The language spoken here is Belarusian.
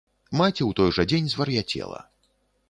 Маці ў той жа дзень звар'яцела.